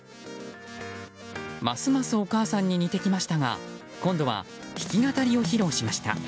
ますますお母さんに似てきましたが今度は弾き語りを披露しました。